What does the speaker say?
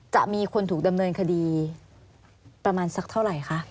จะมีคนถูกดำเนินคดีประมาณสักเท่าไหร่คะ